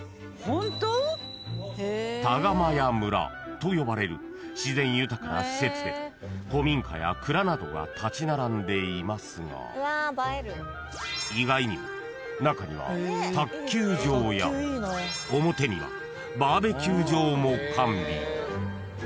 ［と呼ばれる自然豊かな施設で古民家や蔵などが立ち並んでいますが意外にも中には卓球場や表にはバーベキュー場も完備］